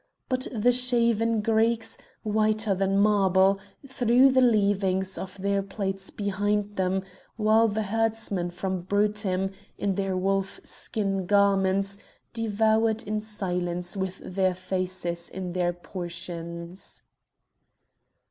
But the shaven Greeks, whiter than marble, threw the leavings of their plates behind them, while the herdsmen from Brutium, in their wolf skin garments, devoured in silence with their faces in their portions.